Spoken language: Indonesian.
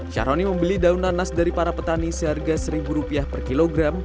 charoni membeli daun nanas dari para petani seharga rp satu per kilogram